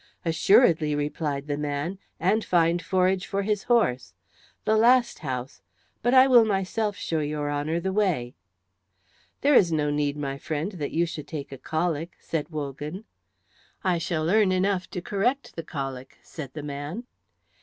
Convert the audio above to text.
"Assuredly," replied the man, "and find forage for his horse. The last house but I will myself show your Honour the way." "There is no need, my friend, that you should take a colic," said Wogan. "I shall earn enough drink to correct the colic," said the man.